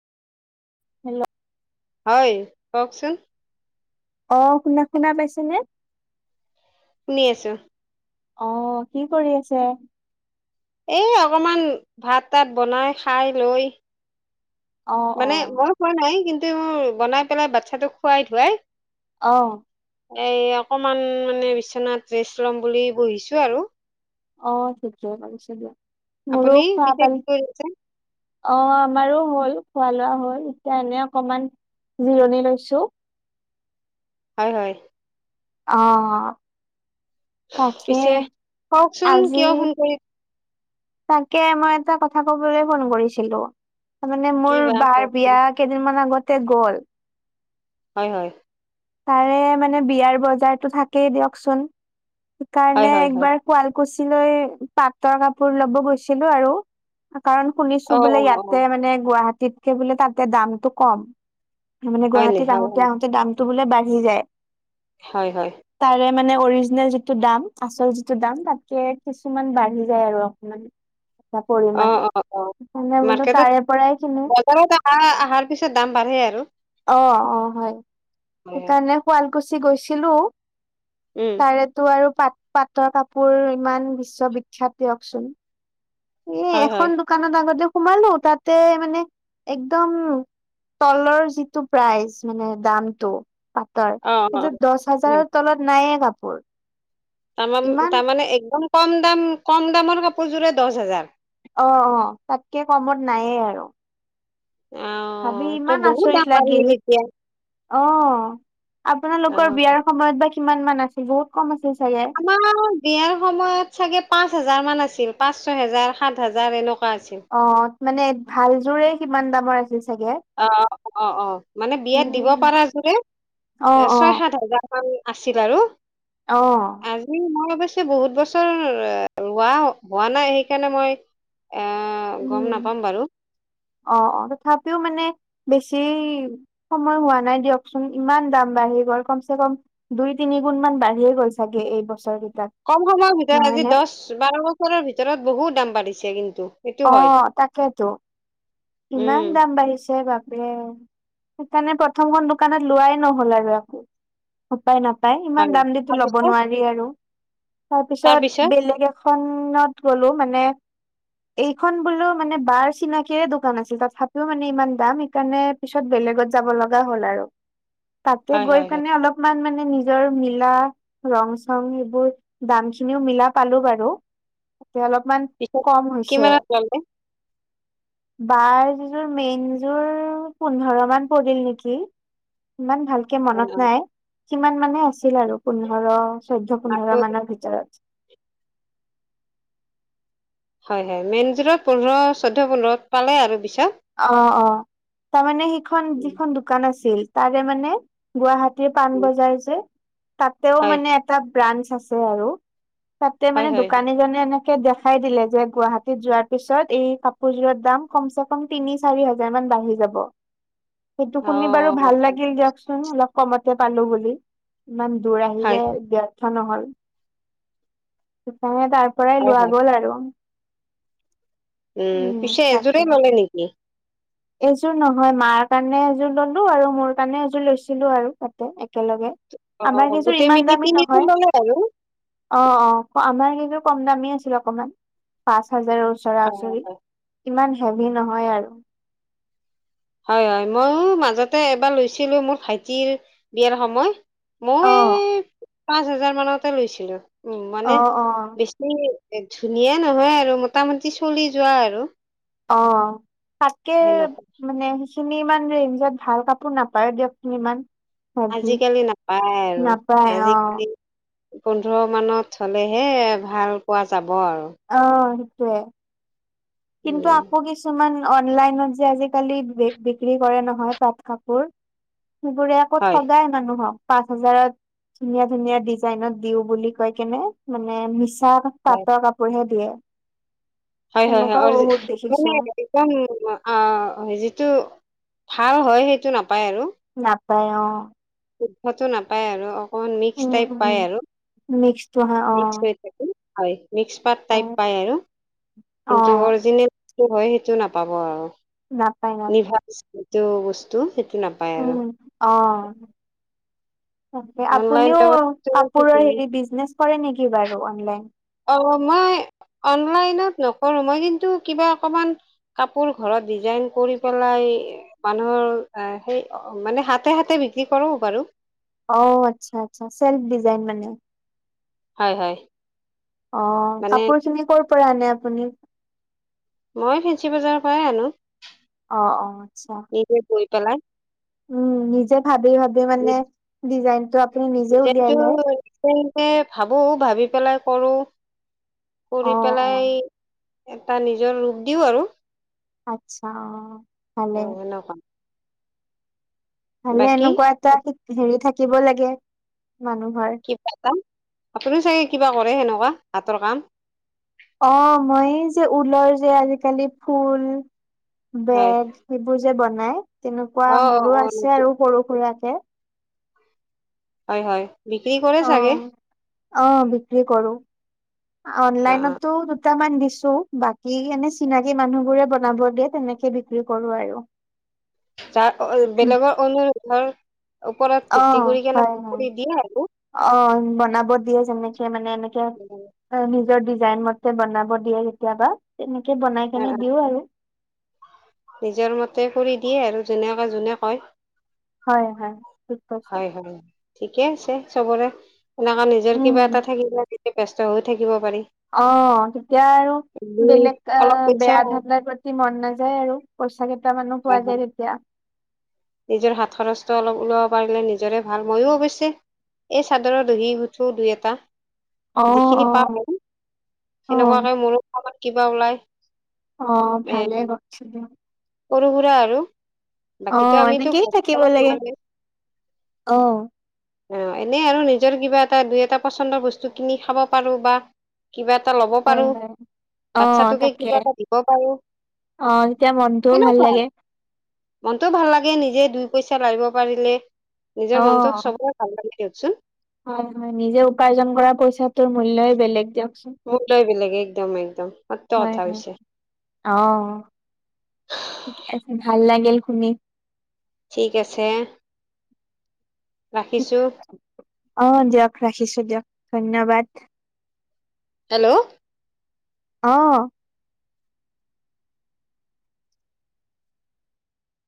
Hello হয়, কওকচোন। অ, শুনা শুনা পাইছে নে? শুনি আছোঁ। অ, কি কৰি আছে? এই অকমান ভাত তাত বনাই খাই লৈ অ অ মানে মই খোৱা নাই কিন্তু বনাই পেলাই বাচ্ছাটোোক খোৱাই ধোৱাই অ, এই অকমান মানে বিচনাত ৰেষ্ট ল'ম বুলি বহিছোঁ আৰু। অ, [inaudible] দিয়া মোৰো আপুনি খোৱা পিছে প কি কৰি আছে অ আমাৰো হ'ল খোৱা লোৱা হল এতিয়া এনে অকমান জিৰণি লৈছোঁ। হয়, হয়। অ, তাকে, পিছে কওকচোন আজি কিয় ফোন কৰি তাকে মই এটা কথা কবলৈ ফোন কৰিছিলোঁ তাৰ মানে কি মোৰ বা বাৰ কওকচোন বিয়া কেইদিন মমান আগতে গ'ল, হয়, হয়। তাৰে মানে বিয়াৰ বজাৰতটো থাকেই দিয়কচোন হয় সেইকাৰণে হয় হয় একবাৰ শুৱালকুছি লৈ পাটৰ কাপোৰ লব গৈছিলো আৰু। কাৰণ শুনিছোঁ অ অ বোলে অ ইয়াতে মানে গুৱাহাটীতকে বোলে তাতে দামতটো কম। মানে হয় নি গুৱাহাটীত হয় হয় আহোতে আহোতে দামটো বোলে বাঢ়ি যায়। হয়, হয়। তাৰে মানে অৰিজিনেল যিটো দাম আচল যিটো দাম তাতকে কিছুমান বাঢ়ি যায় আৰু অকমান এটা অ পৰিমমান অ অ সে বোলো তাৰে পৰাই কিনো ওৰত অা অহাৰ পিছত দাম বাঢ়ে আৰু অ অ হয় হয় হয় সেইকাৰণে শুৱালকুছি গৈছিলো উম তাৰেতো আৰু পাত পাটৰ কাপোৰ ইমান বিশ্ববিখ্যাত দিয়কচোন এই হয় এখন হয় দোকানত আগতে সোমালো তাতে মানে একদম তলৰ যিটো প্ৰাইচ মানে দামটো ৰ অ অ কিন্তু দহ হয়, হাজাৰৰ তলত নাইে কাপোৰ তাৰ ইমান তাৰমানে একদম কম দাম কম দামৰ কাপোৰযোৰে দহ হাজাৰ অ অ তাতকে কমত নায়ে আৰু অ ভাবি ত' ইমান বহুত দাম আচৰিত লাগিল বাঢ়িল এতিয়া অ অ আপোনালোকৰ বিয়াৰ সময়ত বা কিমান মান আছিল বহুত কম আছিল চাগে আমাৰ বিয়াৰ সময়ত চাগে পাঁচ হাজাৰ মান আছিল পাঁচ ছয় হোজাৰ সাত হাজাৰ এনেকুৱা আছিল অ মানে ভালযোৰে কিমান দামৰ আছিল চাগে অ অ অ অ মানে বিয়াত দিব উম পাৰা যোৰে অ অ ছয় সাত হাজাৰ আছিল আৰু অ আজি মই অৱশ্যে বহুত বছৰ ৰোৱা হোৱা নাই সেইকাৰণে মই এ গম উম নাপাম বাৰু অ অ তথাপিও মানে বেছি সময় হোৱা নাই দিয়কচোন ইমান দাম বাঢ়ি গ'ল কম চে কম দুই তিনি গুণ মান বাঢ়িয়ে গ'ল চাগে এই বছৰ কেইটাত কম সময়ৰ ভিতৰত নহয় আজি নে দহ বাৰ বছৰৰ ভিতৰত বহুত দাম বাঢ়িছে কিন্তু সেইটো অ হয় তাকেতো ইমান উম দাম বাঢ়িছে ব দে সেইকাৰানে প্ৰথম ক দোকানত লোৱাাই নহলাগয়াাক উপায় নাপায় ইমান হয় দাম দিো ল'ব তাৰপিছত নোৱাৰি আৰু তাৰপিছত বেলেগে খত গ'লো মানে এইখন বোলো মানে বাৰ চিনাকিৰে দু আছিল তথাপিও মানে ইমান দাম সেইকাৰণে পিছত বেলেগত যাব লগা হ'ল আৰু তাতে হয় গৈ হয় হয় কিেনে অলপমান মানে নিজৰ মিলা ৰং চং এইবোৰ দাম খিনিও মিলা পালো বাৰু তাক অলপমান পিত কম হৈছে কিমানত লাললে বাৰ যযোৰ মেইনযোৰ পোন্ধৰ মান পৰিল নেকি ইমান ভাল ে মনত নাই কিমান মানে আছিল আৰু পোন্ধৰ চৈধ্য় পোন্ধৰ আৰু মানৰ ভিতৰত হয় হয় মেইনযোৰত পোন্ধৰ চৈধ্্য পোন্ধৰৰত পালে আৰু পিছত অ অ তাৰমানানে সেইখন যিখন দোকান আছিল তাৰে মানে গুৱাহাটী পাণবজাৰ যে তাতেও হয় মানে এটা ব্ৰাঞ্চ আছে আৰু তাতে হয় মানে হয় দোকানী জনে এনে দেখাই দিলে যে গুৱাহাটীত যোৱাৰ পিছত এই কাপোৰযোৰত দাম কমচ তিনি চাৰি হাজাৰ মান বাঢ়ি যাব সেইটো অ শুনি বাৰু ভাল লাগিল দিয়কচোন অল কমতে পালো বুলি ইমান দূৰ হয় আহিলে দ নহল সেইকাৰণে তাৰ পৰাই হয় লোৱা হয় গল আৰু উম পিছে এযোৰে মলে নেকি এইযোৰ নহয় মাৰ কাৰণে এযোৰ ললো আৰু মোৰ কাৰণে এযোৰ লৈছিলো আৰু তাতে একেলগে অ আমাৰ কিচোৰ গোটেই মিলি ইমান দামী তিনিযোৰ নহয় ল'লে আৰু অ অ আমাৰ কিন্তু কম দামেই আছিল অকমান পাঁচ হাজাৰৰও চৰা হয় ওচৰি ইমান হেভি নহয় আৰু হয় হয় ময়ো মাজতে এবাৰ লৈছিলোঁ মোৰ ভাইটিৰ বিয়াৰ সময় মই অ', এই পাঁচ হাজাৰ মানতে লৈছিলো উ মানে অ', অ', বেছি ধুনীয়া নহয় আৰু মোটামুটি চলি যোৱা আৰু অ', তাকে। সেনেকুৱা মানে সেইখিনি ইমান ৰেঞ্জত ভাল কাপোৰ নাপায় দিয়ক চুন ইমান। হেভি আজিকালি নাপায় আৰু নাপায় অ', আজিকালি। পোন্ধৰ মানত হ'লেহে ভাল পোৱা যাব আৰু। অ', সেইটোৱে কিন্তু উম আকৌ কিছ কিছুমান অনলাইনত যে আজিকালি বি বিক্ৰী কৰে নহয় পাট কাপোৰ। সেইবোৰে আকৌ হয় ঠগাই মানুহক পাঁচ হাজাৰত। ধুনীয়া, ধুনীয়া ডিজাইনত দিও বুলি কয় কেনে মানে মিছা। হয় পাটৰ কাপোৰহে দিয়ে। হয়, হয়, হয় তেনেকুৱাও বহুত দেখিছো মানে। একদম যিটো ভাল হয়, সেইটো নাপায় আৰু। নাপায় অ'। শুদ্ধটো নাপায় আৰু অকমান মিক্স উম, টাইপ উম। পায় আৰু মিক্সটো হা অ', মিক্স। হয়, মিক্স পাত টাইপ অ', পায় আৰু কিন্তু অ'। অৰিজিনেল। সেইটো হয় সেইটো নাপাব আৰু। নাপায়, নাপায়। টো বস্তু সিটো নাপাই। উম। অ', তাকে অনলাইন আপুনিও ব্যৱস্থাটো ঠিক কাপোৰৰ নাই হেৰি বিজনেচ। কৰে নেকি বাৰু অনলাইন। অ', মই অনলাইনত নকৰো মই কিন্তু কিবা অকমান। কাপোৰ ঘৰত ডিজাইন কৰি পেলাই। মানুহৰ এ সেই মানে হাতে, হাতে বিক্ৰী কৰো বাৰু। অ', আচ্ছা, আচ্ছা চেল্ফ ডিজাইন মানে। হয়, হয়। অ', মানে কাপোৰ খিনি কৰ'ৰ পৰা আনে আপুনি? মই ফেঞ্চি বজাৰৰ পৰাই আনো। অ', অ'আচ্ছা। গৈ পেলাই। উম, নিজে ভাবি ভাবি মানে ডিজাইন টো। এতিয়া টো ভাবো ভাবি পেলাই কৰোঁ। অ কৰি অ পেলাই এটা নিজৰ ৰূপ দিওঁ আৰু। আচ্ছা অ', অ ভালে। সেনেকুৱা ভালে বাকী এনেকুৱা এটা হেৰি থাকিব লাগে মানুহৰ। কিবা এটা আপুনি চাগে কিবা কৰে সেনেকুৱা হাতৰ কাম। অ', মই এইযে ঊলৰ যে আজিকালি ফুল হয় বেগ। সেইবোৰ যে বনাই তেনেকুৱা অ অ মোৰো অ আছে নিশ্চয়। আৰু সৰু সুৰাকে। হয়, হয় বিক্ৰী কৰে চাগে। অ', অ', বিক্ৰী কৰোঁ অ অ অনলাইনতো দুটামান দিছোঁ বাকী। সি কেনে চিনাকী মানুহবোৰে বনাব দিয়ে তেনেকে বিক্ৰী কৰোঁ আৰু। তাৰ বেলেগৰ অনুৰোধৰ ওপৰত ভিত্তি অ', কৰি কেনে হয়, হয়। কৰি দিয়ে আৰু। অ', বনাব দিয়ে যেনেকে মানে এনেকে। অ অ', নিজৰ ডিজাইন মতে বনাব দিয়ে কেতিয়াবা তেনেকে বনাই অ কেনে দিও আৰু। নিজৰ মতে কৰি দিয়ে আৰু যোনে কৈ কয়। হয়, হয়। কৈছে হয়, হয় ঠিকে আছে চবৰে এনেকুৱা নিজৰ কিবা উম। এটা থাকিলে। তে ব্যস্ত হৈ থাকিব পাৰি। অ', তেতিয়া আৰু। দুই বেলেগ অলপ পইচা বেয়া হয় ধাণ্ডাৰ প্ৰতি মন নাযায় আৰু পইচা কেইটামানো পোৱা যায় হয় তেতিয়া। নিজৰ হাত খৰচটো অলপ ওলাব পাৰিলে নিজৰে ভাল ময়ো অৱশ্যে। এই চাদৰৰ দহি গুঠো দুই এটা অ অ যিখিনি পা সেনেকুৱাকে মোৰ কামত কিবা ওলাই অ এ ভালে গছিলে সৰু সুৰা আৰু অ বাকী আমিতো এনেকেই থাকিব লাগে নোৱাৰ অ অ এনেই আৰু নিজৰ কিবা এটা দুই এটা পচন্দৰ বস্তু কিনি খাব পাৰো বা কিবা এটা ল'ব হয় পাৰো হয়। অ বাচ্ছাটোকে তাকে কিবা এটা দিব পাৰো অ তেতিয়া মনটোও ভাল লাগে মনটো ভাল লাগে নিজে দুই পইচা লাৰিব পাৰিলে অ নিজৰ মনটো চব ভাল লাগে দিয়কচুন হয় হয় নিজে উপাৰ্জন কৰা পইচাটোৰ মূলয়ই বেলেগ দিয়ক মোৰটাই বেলেগে একদম একদম সত্ত হয় কথা হয় হৈছে অ ঠিক আছে ভাল লাগিল শুনি ঠিক আছে ৰাখিছোঁ অ দিয়ক ৰাখিছো দিয়ক ধন্যবাদ হেল্ল' অ